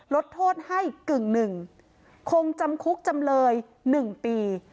ลดโทษให้กึ่งหนึ่งคงจำคุกจำเลย๑ปี